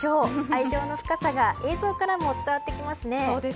愛情の深さが映像からも伝わってきますね。